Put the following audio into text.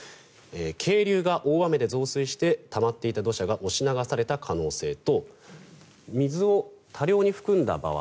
渓流が大雨で増水してたまっていた土砂が押し流された可能性と水を多量に含んだ場合